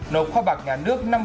nộp kho bạc nhà nước năm một tỷ đồng